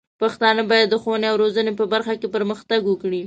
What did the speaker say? پښتانه بايد د ښوونې او روزنې په برخه کې پرمختګ وکړي.